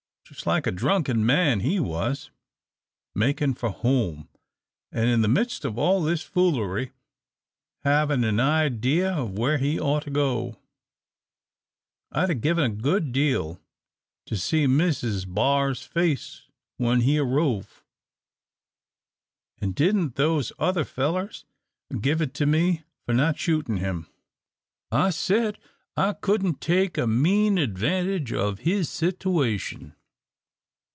Just like a drunken man he was, makin' for home, an' in the midst of all his foolery havin' an idea of where he'd oughter go. I'd 'a' given a good deal to see Mrs. B'ar's face when he arrove. An' didn't those other fellers give it to me for not shootin' him! I said I couldn't take a mean advantage of his sitooation."